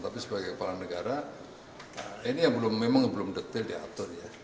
tapi sebagai kepala negara ini yang memang belum detail diatur ya